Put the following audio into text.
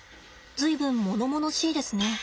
随分ものものしいですね。